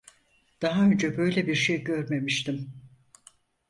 Daha önce böyle bir şey görmemiştim.